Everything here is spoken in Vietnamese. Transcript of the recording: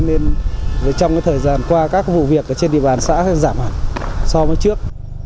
nên trong thời gian qua các vụ việc trên địa bàn xã sẽ giảm hẳn so với trước